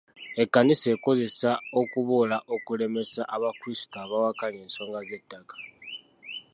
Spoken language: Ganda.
Ekkanisa ekozesa okuboola okulemesa abakrisitu abawakanya ensonga z'ettaka